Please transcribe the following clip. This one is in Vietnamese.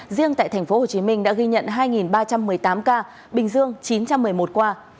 riêng tại tp hcm đã ghi nhận hai ba trăm một mươi tám ca bình dương chín trăm một mươi một ca